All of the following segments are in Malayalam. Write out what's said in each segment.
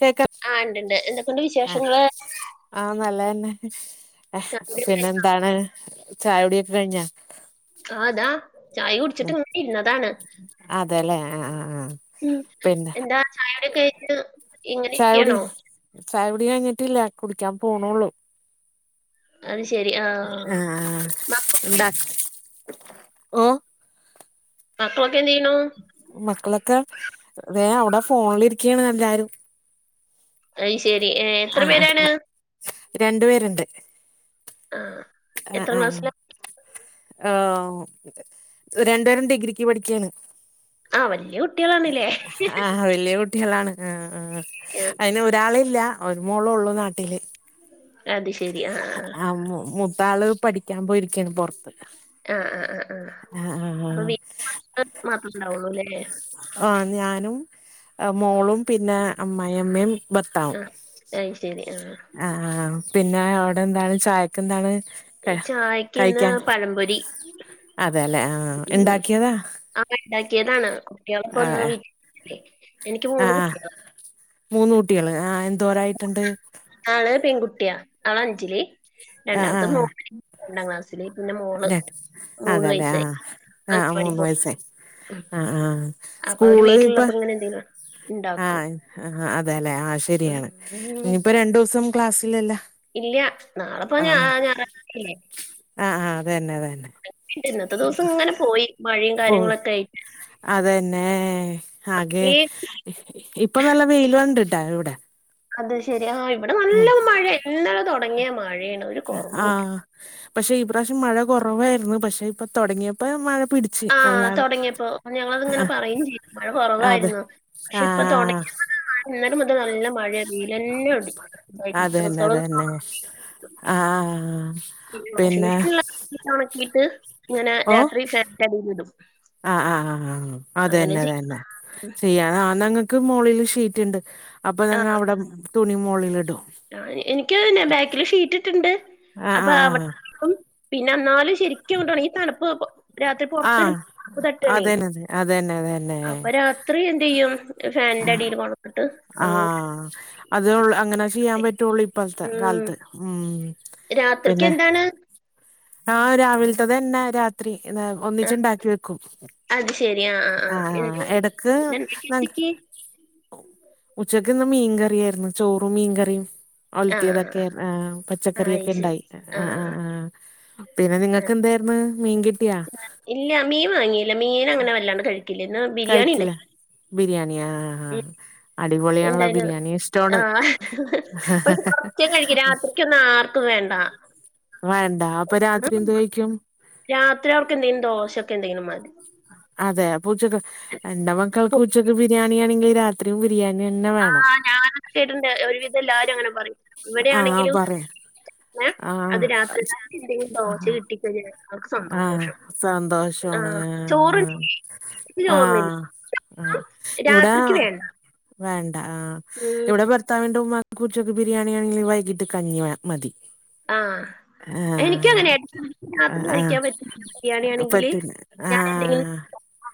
കേക്കാ ആഹ് ഇണ്ട്ണ്ട് എന്തൊക്കൊണ്ട് വിശേഷങ്ങള് ആഹ് നല്ലന്നെ ചായുടിയൊക്കെ പിന്നെന്താണ് ചായ കുടിക്കെ കഴിഞ്ഞാ ആഹ് ആതാ ചായ കുടിച്ചിട്ടും ഇര്ന്നതാണ് അതെല്ലേ ആഹ് ആഹ് ആഹ് ഉം പിന്നെ എന്താ ചായയുടെ കയിഞ് ചായകുടി ഇങ്ങനെക്കെണോ ചായകുടി കഴിഞ്ഞിട്ടില്ല കുടിക്കാൻ പോണള്ളൂ അത് ശരി ആഹ് ഉം ഉം എന്താ ഓ മക്കളൊക്കെന്ത് ചെയ്യുണു മക്കളൊക്കെ ദേ അവിടെ ഫോണിലിരിക്കാണ് എല്ലാരും അയ്ശെരി ഏഹ് എത്ര ആ പേരാണ് ആ രണ്ടു പേരുണ്ട് ആഹ് ആഹ് ആഹ് ആഹ് രണ്ടുപേരും ഡിഗ്രിക്ക് പഠിക്കയാണ് ആഹ് വല്ല്യാ കുട്ടികളാണല്ലേ ട്ടികളാണ് ആഹ് ആഹ് അതിന് ഒരാളില്ലാ ഒരു മോളള്ളൂ നാട്ടില് അത് ശരി ആഹ് ആഹ് മുത്താള് പഠിക്കാൻ പോയിരിക്കാണ് പൊറത്ത് ആഹ് ആഹ് ആഹ് ആഹ് ആ ആ അപ്പൊ വീ ആ [unintelligible] മാത്രമണ്ടാവുള്ളൂല്ലേ ആഹ് ഞാനും മോളും പിന്നെ അമ്മായമ്മയും ഭർത്താവും അയ് ശരി ആഹ് ആഹ് ആഹ് പിന്നെ അവിടെന്താണ് ചായക്ക് എന്താണ് ക ചായക്ക് ഇന്ന് കഴിക്കാൻ പഴംപൊരി അതെല്ലെ ആഹ് ഇണ്ടാക്കിയതാ ആഹ് ഇണ്ടാക്കിയതാണ് ആ കുട്ടികളക്കവന്ന് [unintelligible] എനിക്ക് മൂന്ന് കുട്ടിയളാ മൂന്ന കുട്ടികള് ആഹ് എന്തോരായിട്ടുണ്ട് ആള് പെൺകുട്ടിയാ ആൾ അഞ്ചില് രണ്ടാമത്തെ മോന് രണ്ടാം ക്ലാസ് അതെ അതെല്ലെ വയസ്സായി ആഹ് ആഹ് അംഗൻവാടി മൂന്ന് പോണ് വയസ്സായി ആഹ് ആഹ് അപ്പൊ അവര് സ്കൂള്പ്പ വീട്ടിലുള്ളപ്പോ ഇങ്ങനെ എന്തെങ്കിലും ഇണ്ടാക്കും ആഹ് ആഹ് അതെ അല്ലെ ആ ശരിയാണ് ഉം ഇനിപ്പോ രണ്ടു ദിസം ക്ലാസ്സിലല്ല ഇല്ല നാളെപ്പ ഞ ഞാറഴ്ചല്ലേ ആഹ് ആഹ് അതന്നെ അതന്നെ ഇന്നത്തെ ദിവസങ്ങനെ പോയി മഴയും പോയി കാര്യങ്ങളൊക്കെയിട്ട് അതന്നെ ആകെ ഏ ഇപ്പൊ നല്ല വെയിലുണ്ടിട്ടാ ഇവിടെ അത് ശരി ആ്ഹ് ഇവിടെ നല്ല ഉം മഴ ഇന്നലെ തുടങ്ങിയ മഴയാണ് ഒരു കുറവുല്ല ആഹ് പക്ഷെ ഈ പ്രാവശ്യം മഴ കുറവായിരുന്നു പക്ഷെ ഇപ്പൊ തൊടങ്ങിപ്പോ മഴ പിടി ആഹാ തൊടങ്ങിയപ്പോ അപ്പത് ങ്ങളത്ങ്ങനെ പറയും ചെയ്യും മഴ അതെ കൊറവായിരുന്നു പക്ഷെ ഇപ്പൊ ആഹ് തൊടങ്ങിയപ്പെതാ ആ ഇന്നലെ മുതൽ നല്ല മഴേയിരുന്നു വെയിലെന്നെ കണ്ടിട്ടില്ല അതന്നെ ഡ്രസ്സെളൊന്നും അതന്നെ ഒണങ്ങീല്ല ആഹ് പിന്നെ വാഷിംഗമെഷീന്ള്ളോണ്ട് ഒണക്കിയിട്ട് ഇങ്ങനെ ഓ രാത്രി ഫാന് ന്റെ അടീല്ടും ആഹ് ആ ആ ആ അതെന്നെ തന്നെ ചെയ്യാ ആ ഞങ്ങക്ക് മോളില് ഷീറ്റ്ണ്ട് അപ്പൊ ആ ഞങ്ങ അവടെ തുണിമോളില്ടും ആ എനിക്ക് ഇതന്നെ ബാക്കില് ഷീറ്റ്ട്ട്ണ്ട്. ആഹ് അപ്പൊ ആഹ് അവെടെ ചിക്കും. പിന്നെ ന്നാലും ശരിക്കങ്ങോട്ട് ഒണങ്ങി ഈ തണുപ്പ് രാത്രി പൊർത്ത്ടു ആഹ് മ്പോ തണുപ്പ് തട്ടാണേ അതന്നെ അതെ അതന്നെ അതന്നെ അപ്പ രാത്രിയെന്തെയ്യും ഫാനിന്റെ അടീല് കൊ ണ്ടിട്ട് അങ്ങനെ ആ അതേ ഒള് അങ്ങനെ ചെയ്യാ പറ്റുവൊള്ളൂ ഇപ്പഴത്തെ കാലത്ത്. ഉം രാത്രിക്കെന്താണ്? ആ രാവിൽത്തെതെനെ രാത്രി, ആ, ഒന്നിച്ചൊണ്ടാക്കി വെക്കും. അത് ശെരി അ ആഹ് എടക്ക് നങ്ക് ചേച്ചിക്ക് ഉച്ചക്ക്ന്ന് മീകറിയായിരുന്നു. ചോറും, മീൻകറിയും. ആ ആ ഒൽത്തിയതൊക്കെ ആഹ് ആ, അത് ശരി പച്ചക്കറിയൊക്കെണ്ടായി ആ ആ ആ പിന്നെ ആ. നിങ്ങക്കെന്തായിര്ന്ന് മീൻ കിട്ടിയാ? ഇല്ല, മീൻ വാങ്ങിയില്ല മീനങ്ങനെ വല്ലാണ്ട് കഴി ക്കില്ലാ ഇന്ന് ബി കഴിക്കില്ല? ബിരിയാണിയാ? ആഹ് ആഹാ ആഹ് അടിപൊളിയാണ്ല്ലോ എന്തായാലും ബിരിയാണി ഇഷ്ടാവാണ്. ഉച്ചെ കഴിക്കും രാത്രിക്കൊന്നും ആർക്കും വേണ്ട വേണ്ടാ. അപ്പൊ ഉം. രാത്രിയെന്ത് കഴിക്കും? രാത്രി അവർക്ക് എന്തേലും ദോശൊക്കെ എന്തെങ്കിലും മതി. അതെ അപ്പുച്ചക്ക് എന്റെ മക്കൾക്ക് ഉച്ചക്ക് ബിരിയാണിയാണെങ്കി രാത്രിം ബിരിയാണിയെന്നെ വേണം. ആ ഞാനത് കേട്ടിട്ട്ണ്ട് ഒരു വിധയെല്ലാരും അങ്ങനെ പറിം ആഹ് പറിം ആഹ് അത് രാത്രി രാത്രി എന്തെങ്കിലും ആ ദോശ ആഹ കിട്ടിക്കഴിഞ്ഞാൽ അവർക്ക് ആഹ് സന്തോഷം ആ സന്തോഷാണ് ഏ ഏഹ് ചോറുണ്ടെങ്കിൽ ചോറിനില്ല ആഹ് ആഹ് ഇവെടെ രാത്രിക്ക് വേണ്ട വേണ്ട ആഹ് ഉം ഇബടെ ഭർത്താവിന്റെ ഉമ്മാക്ക് ഉച്ചക്ക് ബിരിയാണിയാണെങ്കി വൈകിട്ട് കഞ്ഞി വേ മതി. ആഹ് ആഹ് എനിക്കങ്ങനെയാ രാത്രി ആഹ് കഴിക്കാ പറ്റില്ല ബിരിയാണിയാണെങ്കില് പറ്റില്ല ഞാനെന്തങ്കിലും ആഹ്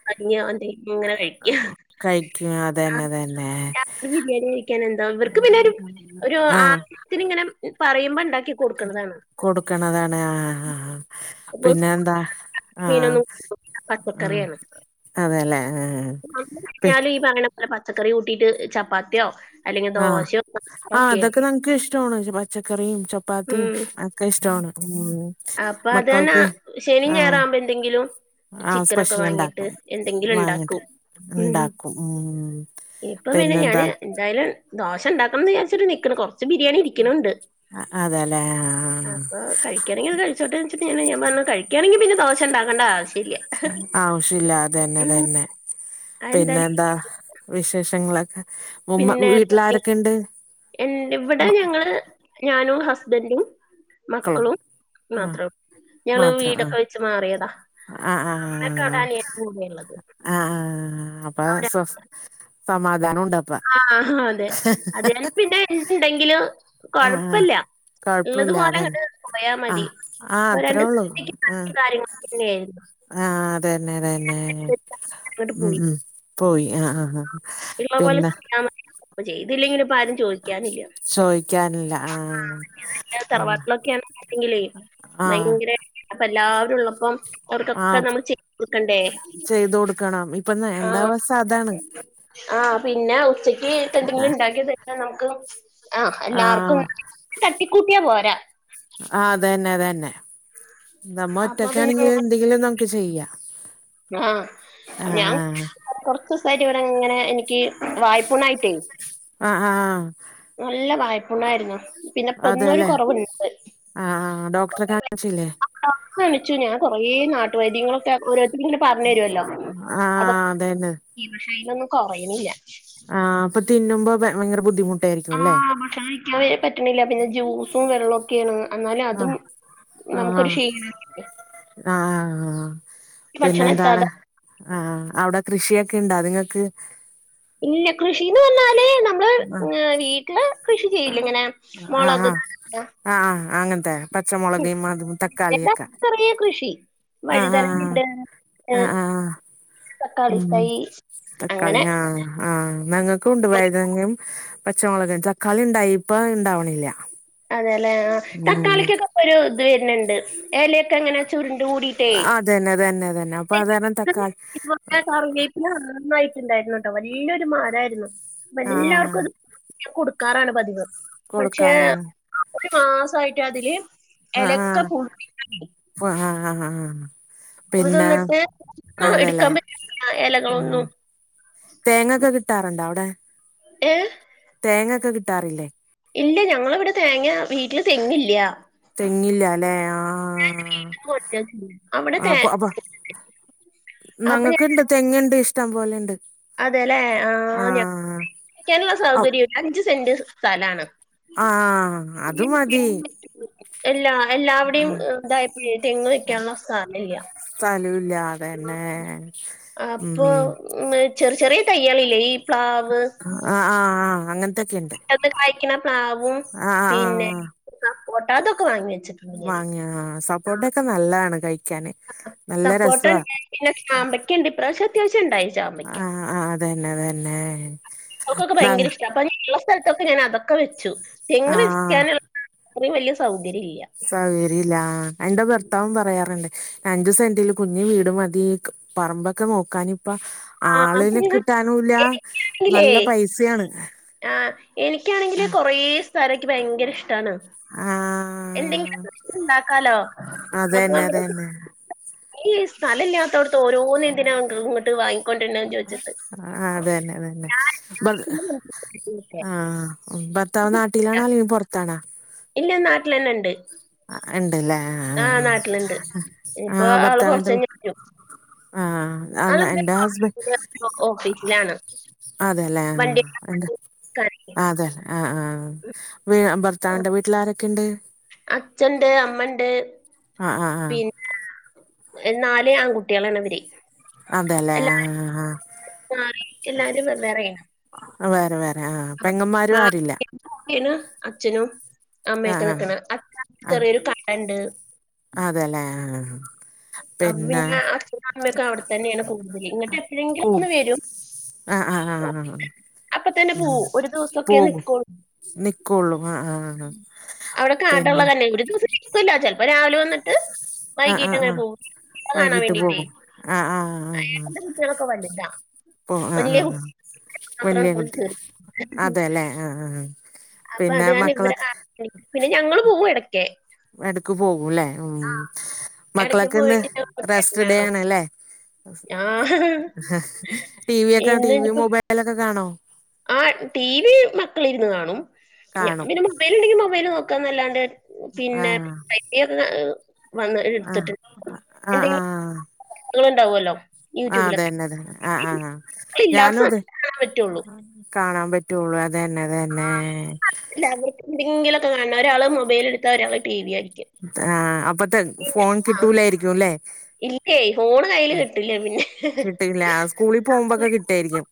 കഞ്ഞിയോ എന്തെങ്കിലുങ്ങനെ കഴിക്കും. കഴിക്കും ആ അതന്നെ അതന്നെ രാവിലെ ബിരിയാണി കഴിക്കാനെന്തോരു ഇവർക്ക് പിന്നൊരു ഒരു ആഗ്ര ഹത്തിന്ങ്ങനെ പറയുമ്പോണ്ടാക്കി കൊട്ക്ക്ണതാണ്. ആഹ് ആഹ് ഹ ഇപ്പൊ പിന്നെന്താ? മീനൊന്നും കൂട്ടൂല പച്ചക്കറിയാണ് അതെല്ലേ ആഹ് ആഹ്ആഹ്. വന്ന് കഴിഞ്ഞാല് ഈ പർഞപ്പോലെ പച്ചക്കറി കൂട്ടിട്ട് ചപ്പാത്തിയോ? അല്ലെങ്കിൽ ആഹ് ദോശയോ ആ അതൊക്കെ ഒക്കെയല്ലേ നമ്മെക്കിഷ്ടവാണ്. പച്ചക്കറിയും, ചെപ്പാത്തിയു ഉം ക്കെ ഇഷ്ടവാണ്. ഉം അപ്പൊ അതന്നെ മക്കൾക്ക് ശെനിയും ആഹ് ഞായറാവുമ്പോന്തെങ്കിലും. ആഹ് ചിക്കനൊക്കെ സ്പെഷ്യൽ വാങ്ങിട്ട് ഉണ്ടാക്കും എന്തെങ്കിലുണ്ടാക്കും. വാങ്ങിട്ട് ഉണ്ടാക്കും ഉം ഇപ്പ പിന്നെ ഞാന് പിന്നെന്താ എന്തായാലും ദോശണ്ടാക്കണെന്ന് വിചാരിച്ചിട്ട് നിക്ക്ണ്. കൊറെച്ച് ബിരിയാണിയിരിക്ക്ണ് ണ്ട്. അ അതെല്ലേ ആ അപ്പൊ കഴിക്കയാണെങ്കി അത് കഴിച്ചോട്ടെന്ന് വെച്ചിട്ട്. ഞാൻ പറഞ്ഞ് കഴിക്കുവാണെങ്കി പിന്നെ ദോശ ഒണ്ടാക്കേണ്ടാവശ്യമില്ല. ആ ആവശ്യല്ല. അതന്നെ തന്നെ അതെന്തായാലും പിന്നെന്താ? വിശേഷങ്ങളെക്കെ പിന്നെ ഇവിടെ ഞങ്ങള് ഞാനും ഹസ്ബൻറും മക്കളും ആ മാത്ര ഞങ്ങള് മാത്രം വീടൊ ആ ച്ച മാറിയതാ ആ ആ അമ്മക്ക ടെള്ളത് ആ അപ്പ സമാധാനം ണ്ടപ്പ ആ അതെ അത് ഞാൻ പിന്നെണ്ടെങ്കില് ആ ആ കൊഴപ്പല്ല കൊഴപ്പല്ല ഉള്ളതുപോലെ അതന്നെ അങ്ങട്ട് പോയാ ആ മതി ആ അപ്പൊ അത്രേ രണ്ട ഉള്ളൂ [inaudible] കാര്യങ്ങന്നെയിരുന്നു. ആഹ് അതന്നെ തന്നെ ഇങ്ങോട്ട് പോയി പോയി ആ ആ ആ ഇള്ള പോലെ പിന്നെ [inaudible] ചെയ്തില്ലെങ്കിലും ഇപ്പം ആരും ചോയിക്കാനില്ല ആ ആ തറവാട്ടിലൊക്കെയ ആണ് ണ്ടെങ്കില് ആ ആ ഭയങ്കര അപ്പ എല്ലാവരുള്ളപ്പം ആ അവർക്കൊക്കെ നമ്മൾ ചെയ്തൊടുക്കണ്ടേ ചെയ്ത് കൊടുക്കണം ഇപ്പ ആ എന്താ അവസ്ഥ അതാണ് ആ പിന്നെ ഉച്ചയ്ക്ക് ന്തെങ്കിലും ഉണ്ടാക്കിയ നമുക്ക് ആ എല്ലാർക്കും ആ തട്ടിക്കൂട്ടിയാ പോരാ ആ അതന്നെ തന്നെ നമ്മ അപ്പൊ പിന്നെ ഒറ്റക്കാണെങ്കിൽ എന്തെങ്കിലും നമുക്ക് ചെയ്യാം ആ കൊറച്ചവസമായിട്ട് ഇവിടെങ്ങനെ എനിക്ക് വായ്പുണായിട്ടേ ആ ആഹ് നല്ല വായ്പുണ്ണായിരുന്നു പിന്നെ ഇപ്പൊ ഇന്നൊരു അതല്ലെ കുറവുണ്ട് ആ ആ ഡോക്ടറെ കാണിച്ചില്ലേ? ഡോക്ടറെ കാണിച്ചു ഞാൻ കൊറേ നാട്ടുവൈദ്യങ്ങളൊക്കെ ഓരോരുത്തരുങ്ങനെ പറഞ്ഞുരുല്ലോ ആ അത് അതന്നെ കുറയുന്നില്ല ആ അപ്പൊ തിന്നുമ്പോ ഭയങ്കര ബുദ്ധിമുട്ടായിരിക്കും ല്ലേ? [unintelligible] പറ്റണില്ല പിന്നെ ജൂസും വെള്ളം ക്കെണ് ആ എന്നാലതും നമുക്കൊരു ക്ഷീണ ആഹ് ഭക്ഷണം എത്താതെ പിന്നെന്താണ്? ആ അവിടെ കൃഷിയൊക്കെണ്ടോ നിങ്ങക്ക്? ഇല്ല കൃഷിന്ന് പറഞ്ഞാലേ നമ്മള് ആ വീട്ടില് കൃഷി ചെയ്യ്ലെ ഇങ്ങനെ ആഹ് മുളക് ആഹ് ആ ആ അങ്ങനത്തെ- പച്ചമുളക് അതും എന്താ തക്കാളിയൊക്കെ കുറേ കൃഷി ആ ആ വഴുതലങ്ങണ്ട് ആ ആ ആ തക്കാളി ഉം തയ് തക്കാളി അങ്ങനെ ആഹ് ആഹ് ഞങ്ങൾക്ക്ണ്ട് വഴ്തെനങ്ങും പച്ചമുളക് തക്കാളി ഇണ്ടായിപ്പ ഇണ്ടാവണില്ല. അതെല്ലെ ആ തക്കാളിക്കൊക്കെ പ്പൊരു ഇത് വരുന്നുണ്ട് ഇലയൊക്കെങ്ങനെ ചുരുണ്ട് കൂടിട്ടേ തന്നെ തന്നെ തന്നെ അപ്പൊ അത് കാരണം തക്കാ നന്നായിട്ടുണ്ടായിരുന്നട്ടോ വല്ലൊരു മരായിരുന്നു അപ്പ ആഹ് എല്ലാർക്കും അത് കൊടുക്കാറാണ് പതിവ് പക്ഷേ കൊടുക്കാറാണ് ഒരു മാസായിട്ട് അതില് എലക്കെ പു [unintelligible] ആ ആ ആ അത് പിന്നെ തന്നിട്ട് ആ, അതെല്ലേ എടുക്കാൻ പറ്റില്ല ആ ഇലകളൊന്നും തേങ്ങൊക്കെ കിട്ടാറുണ്ടോ അവടെ? ഏ? തേങ്ങൊക്കെ കിട്ടാറില്ലേ? ഇല്ല ഞങ്ങളിവിടെ തേങ്ങ വീട്ടില് തെങ്ങില്ല. തെങ്ങില്ലല്ലെ ആഹ് കൊണ്ടുവന്നിട്ടില്ല. അവിടെ തേ ആപ്പൊ അപ്പൊ അപ്പൊ ഞങ്ങൾക്ക് ഞാൻ- ഇണ്ട് തെങ്ങ്ണ്ട് ഇഷ്ടം പോലെണ്ട്. അതെല്ലേ ആഹ് [unintelligible] ക്കാനുള്ള സൗകര്യല്ല അഞ്ച് സെന്റ് സ് സ്ഥലാണ്. ആ ഈ അത് മതി. തെങ്ങ് എല്ലാ എല്ലാവടെയും ആഹ് ഇതായപ്പയേ തെങ്ങ് വെക്കാനുള്ള സ്ഥലല്ല. സ്ഥലോല്ല അപ്പൊ ചെറിയ ചെറിയ തൈആളില്ലേ ഈ പ്ലാവ് ആഹ് ആ ആ അങ്ങനത്തൊക്കെയ്ണ്ട് പെട്ടന്ന് കായ്ക്കണ പ്ലാവും പിന്നെ സപ്പോട്ട അതൊക്കെ വാങ്ങി വെച്ചിട്ട് വാങ്ങിയോ സപ്പോർട്ടൊക്കെ നല്ലതാണ് കഴിക്കാന് നല്ല സപ്പോട്ട രസവാ ഉണ്ടായി പിന്നെ ചാമ്പക്ക ഉണ്ട് ഇപ്രാവശ്യം അത്യാവശ്യം ഉണ്ടായി ചാമ്പയ്ക്ക ആഹ് അതന്നെ അതന്നെ ഒക്കൊക്കെ ഭയങ്കര ഇഷ്ടാ അപ്പം ഞാൻ ഇളള സ്ഥലത്തൊക്കെ ഞൻ അതൊക്കെ വെച്ചു തെങ്ങ് ആഹ് വെക്കാനുള്ള അത്ര വലിയ സൗകര്യല്ല സൗകര്യ ഇല്ല എന്റെ ഭർത്താവും പറയാറുണ്ട് അഞ്ചു സെന്റില് കുഞ്ഞ് വീട് മതി പറമ്പൊക്കെ നോക്കാനിപ്പം ആ അത് ആളിനെ ഞാൻ- കിട്ടാനുംല്ല എനിക്കാണെങ്കിലേ നല്ല പൈസിയാണ് ആ എനിക്കാണെങ്കില് കൊറേ സ്ഥലൊക്കെ ഭയങ്കര ഇഷ്ടാണ് ആഹ് എന്തെങ്കിലും ഒക്കെ ഇണ്ടാക്കാലോ അതന്നെ അപ്പം അതന്നെ ഈ സ്ഥലംല്ലാത്തോട്ത്ത് ഓരോന്നെന്തിന ഇങ്ങോട്ട് വാങ്ങി ആഹ് അതന്നെ അതന്നെ ഞാൻ [unintelligible] ഇതിനൊക്കെ. ആഹ് ഭത്താവ് നാട്ടിലാണോ അല്ലെങ്കിൽ പുറത്താണോ ഇല്ല നാട്ടിൽ തന്നെ ഉണ്ട് ഉണ്ട്ല്ലേ ആ ആഹ് നാട്ടിലുണ്ട് ആഹ് ആ ഇനിയിപ്പോ ആള് കുറച്ച് ഭർത്താവിന്റെ കഴിഞ്ഞ് വരും ആഹ് ആഹ് ആളിവിടെ എന്റെ ഹസ്ബൻഡ് ഓഫീസിലാണ് അതെല്ലേ വണ്ടി ആഹ് എടുക്കാനേ അതെ ആഹ് ആഹ് ഭർത്താവിന്റെ വീട്ടിൽ ആരൊക്കെ ഉണ്ട് അച്ഛൻണ്ട് അമ്മണ്ട് ആഹ് ആഹ് ആഹ് നാല് ആൺകുട്ടികളാണ് അവര് അതെല്ലേ ആഹ് ആഹ് മാറിട്ട് എല്ലാരും വെവേറെയാണ് വേറെ വേറെ ആഹ് പെങ്ങമ്മാരും ആരുല്ല കുട്ടിന് അച്ഛനും ആഹ് അമ്മയൊക്കെ ആഹ് നിക്ണ് അച്ഛന് ആഹ് ചെറിയൊരു കടണ്ട് അതെല്ലേ ആഹ് അപ്പം പിന്നെ അച്ഛനും അമ്മയൊക്കെ അവിടെത്തന്നെയാണ് കൂടുതൽ ഇങ്ങിട്ട് എപ്പോഴെങ്കിലും കൂ ഒക്കൊന്ന് വരും ആഹ് ആഹ് ആഹ് അപ്പം തന്നെ പോവും ഒരു ദിവസൊക്കെനിക്കൊളൂ നിക്കൊള്ളു മ് ആഹ് അവിടെ കാടള്ളതല്ലെ ഒരു ദിവസും നിക്കുല്ല ചിലപ്പോ രാവിലെ വന്നിട്ട് ആ ആ വൈകീട്ട് അങ്ങനെ ആ പോകും [unintelligible] കാണാൻ വൈകീട്ട് വേണ്ടീട്ടേ പോകും ആ ആ ഏട്ടന്റെ കുട്ട്യാള്ളൊക്കെ വലുതാ ഓ ആഹ് വലിയ ആഹ് ആഹ് കുട്ടി വല്ല്യ മാത്രമാണ് പോയി കുട്ടികൾ ചേർത്ത് അതെല്ലേ ആഹ് ആഹ് അപ്പൊ അത് [unintelligible] പിന്നെ ഞങ്ങള് പോവും ഇടക്കേ എടക്ക് പോകുംല്ലേ ഉം ഇടയ്ക്ക് മക്കളൊക്കെന്ന് പോയിട്ട് ഞങ്ങൾ റസ്റ്റ് ഡേ കാണും ആണ്ല്ലേ ആ ടി വി ഒക്കെ ടി ഇന്ന് വി ഇനിയിപ്പോ മൊബൈ ലൊക്കെ കാണോ ആ ടി വി മക്കളിരുന്ന് കാണും ഞാൻ കാണും പിന്നെ മൊബൈലുണ്ടെങ്കിൽ മൊബൈല് നോക്കാന്നല്ലാണ്ട് ആ പിന്നെ പെട്ടിയൊക്കെ വന്ന് ആ എട്ത്തിട്ട്ണ്ട് ആ ആ എന്തെങ്കിലും ങ്ങൾണ്ടാവും അല്ലോ ആഹ് അത തന്നെതന്നെ ആഹ് ആഹ് ആ്ഹ് ഇല്ലാത്ത ഞാനും അതെ സമയത്ത് കാണാൻ പറ്റുള്ളൂ കാണാൻ പറ്റുള്ളൂ അത തന്നെ ആഹ് അല്ല അവർക്ക് എന്തെങ്കിലൊക്കെ കാണണം ഒരാള് മൊബൈല എടുത്താ ഒരാള് ടി വി ആയിരിക്കും ആഹ് അപ്പത്തെ ഫോൺ ആ കിട്ടൂലായിരിക്കുംല്ലേ ഇല്ലേ ഫോണ് കയ്ൽ കിട്ടില്ല പിന്നെ കിട്ടില്ല സ്കൂളിൽ പോകുമ്പോക്കെ [unintelligible] കിട്ടായിരിക്കും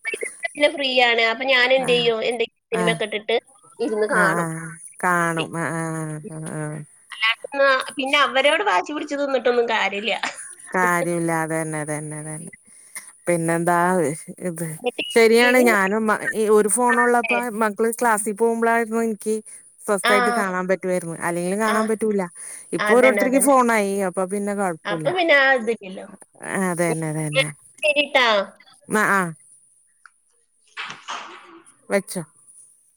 നെറ്റ് ഫ്രീയണ് അപ്പൊ ഞാൻ ആഹ് എന്തെയും എന്തെങ്കിലും ആഹ് സിനിമയൊക്കെ ഇട്ടിട്ട് ഇരുന്ന് ആഹ് കാണും ആഹ് കാണും ആഹ് ആഹ് ആഹ് ആഹ് അട്ടന്ന് പിന്നെ അവരോട് വാശി പിടിച്ച് തിന്നിട്ടൊന്നും കാര്യമില്ല കാര്യല്ലാതെ അതന്നെ അത തന്നെതന്നെ പിന്നെന്താ അതെ ശരിയാണ് ഞാനും ഒരു ഫോണള്ളപ്പോ മക്കള് ക്ലാസ്സിൽ പോകുമ്പോളായിരുന്നു സ്വസ്ഥായിട്ട് ആഹ് കാണാൻ പറ്റുവായിരുന്നു അല്ലെങ്കിലും കാണാൻ ആഹ് പറ്റൂില്ല ഇപ്പൊ അതന്നെ ഓരോരുത്തർക്ക് അതന്നെ ഫോണായി അപ്പൊ പിന്നെ കുഴപ്പില്ല അപ്പൊ പിന്നെ ആ ഇതില്ലല്ലോ ആഹ് അതെന്നെ അതെന്നെ ശരിട്ടാ ആഹ് ആഹ് വെച്ചോ